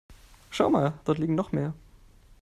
Schau mal, dort liegen noch mehr.